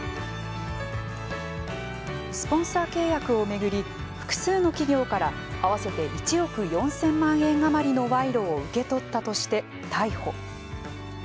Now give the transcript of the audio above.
スポンサー契約を巡り複数の企業から合わせて１億４０００万円余りの賄賂を受け取ったとして逮捕。